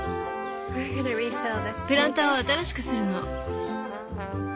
プランターを新しくするの。